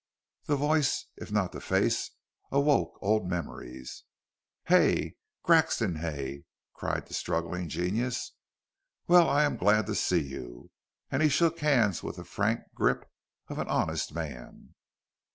The voice, if not the face, awoke old memories. "Hay Grexon Hay!" cried the struggling genius. "Well, I am glad to see you," and he shook hands with the frank grip of an honest man.